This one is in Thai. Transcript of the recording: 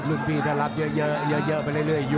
รุ่นพี่เติบเผางกันเยอะบริยุคได้เลย